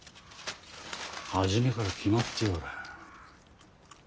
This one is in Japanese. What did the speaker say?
初めから決まっておる。